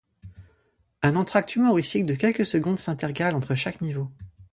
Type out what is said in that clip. Un entracte humoristique de quelques secondes s'intercale entre chaque niveau.